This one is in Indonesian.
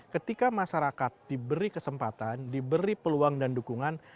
ketika masyarakat diberi kesempatan diberi peluang dan dukungan